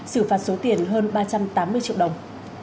xử phạt số tiền hơn ba trăm tám mươi triệu đồng